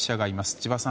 千葉さん